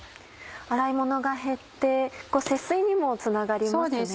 洗い物が減って節水にもつながりますね。